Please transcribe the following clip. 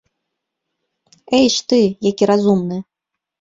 Эйш ты, які разумны!